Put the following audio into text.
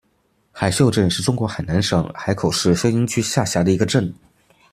海秀镇是中国海南省海口市秀英区下辖的一个镇。